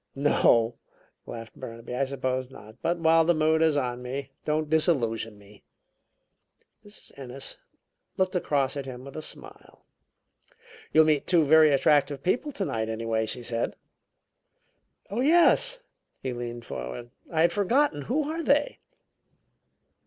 "No," laughed Burnaby, "I suppose not. But while the mood is on me, don't disillusion me." Mrs. Ennis looked across at him with a smile. "You'll meet two very attractive people tonight, anyway," she said. "Oh, yes!" He leaned forward. "I had forgotten who are they?"